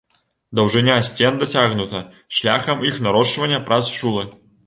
Даўжыня сцен дасягнута шляхам іх нарошчвання праз шулы.